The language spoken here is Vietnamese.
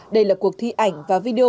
đây là cuộc thi ảnh và video